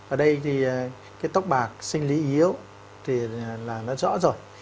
ở đây thì cái tóc bạc sinh lý yếu thì là nó rõ rồi